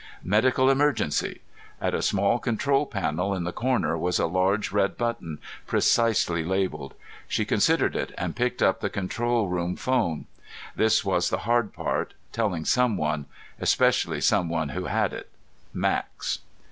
"Medical Emergency." At a small control panel in the corner was a large red button, precisely labeled. She considered it and picked up the control room phone. This was the hard part, telling someone, especially someone who had it Max.